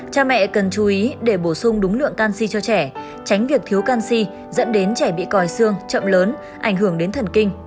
cha mẹ cần chú ý để bổ sung đúng lượng canxi cho trẻ tránh việc thiếu canxi dẫn đến trẻ bị còi xương chậm lớn ảnh hưởng đến thần kinh